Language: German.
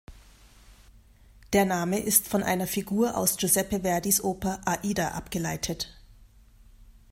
Der Name ist von einer Figur aus Giuseppe Verdis Oper Aida abgeleitet.